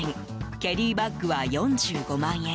ケリーバッグは４５万円